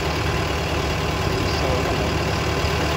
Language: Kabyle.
Yessṛeɣ-am-tt.